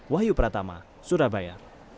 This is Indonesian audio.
wahyu pratama surabaya